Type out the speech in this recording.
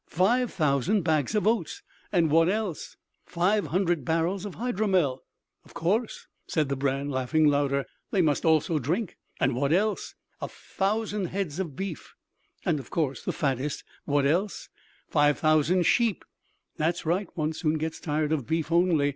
"Five thousand bags of oats." "And what else?" "Five hundred barrels of hydromel." "Of course," said the brenn laughing louder, "they must also drink and what else?" "A thousand heads of beef." "And, of course, the fattest What else?" "Five thousand sheep." "That's right. One soon gets tired of beef only.